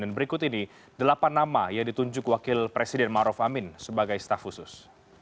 berikut ini delapan nama yang ditunjuk wakil presiden maruf amin sebagai staf khusus